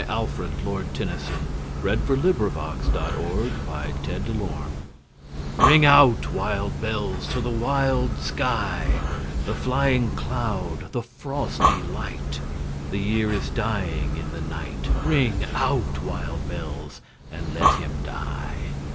Alfred, Lord Tennyson Ring Out, Wild Bells RING out, wild bells, to the wild sky, The flying cloud, the frosty light; The year is dying in the night; Ring out, wild bells, and let him die.